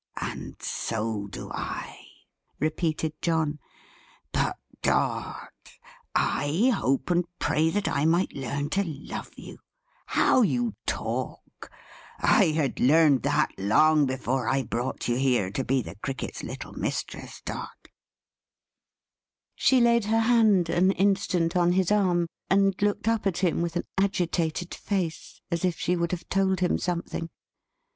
"And so do I," repeated John. "But Dot? I hope and pray that I might learn to love you? How you talk! I had learnt that, long before I brought you here, to be the Cricket's little mistress, Dot!" She laid her hand, an instant, on his arm, and looked up at him with an agitated face, as if she would have told him something.